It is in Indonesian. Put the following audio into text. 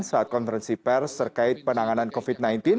saat konferensi pers terkait penanganan covid sembilan belas